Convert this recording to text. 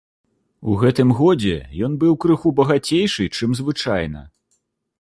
У гэтым годзе ён быў крыху багацейшы, чым звычайна.